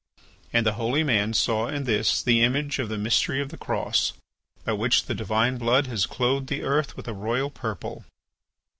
And the holy man saw in this the image of the mystery of the Cross, by which the divine blood has clothed the earth with a royal purple.